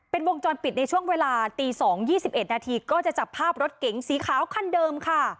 เป็นวงจรปิดในช่วงเวลาตี๒๒๑นาทีก็จะจับภาพรถเก๋งสีขาวคันเดิมค่ะ